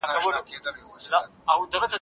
مرغۍ په ټیټو څانګو کې ناسته وه.